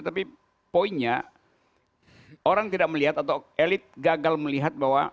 tapi poinnya orang tidak melihat atau elit gagal melihat bahwa